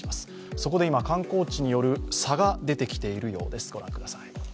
そこで今、観光地による差が出てきているようです。